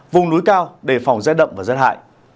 vùng núi cao đề phòng rét đậm và rét hại